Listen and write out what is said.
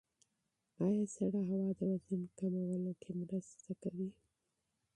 ایا سړه هوا د وزن کمولو کې مرسته کوي؟